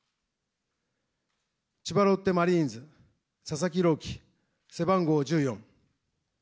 千葉ロッテマリーンズ、佐々木朗希、背番号１４。